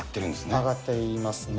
上がっていますね。